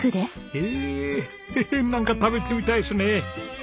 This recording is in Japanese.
ヘヘなんか食べてみたいですね！